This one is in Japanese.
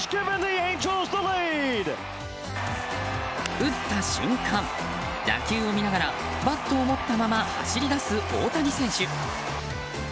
打った瞬間、打球を見ながらバットを持ったまま走り出す大谷選手。